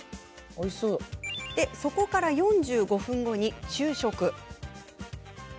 そこから４５分後に昼食。